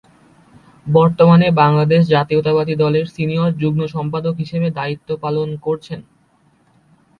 বর্তমানে বাংলাদেশ জাতীয়তাবাদী দলের সিনিয়র যুগ্ম সম্পাদক হিসেবে দায়িত্ব পালন করছেন।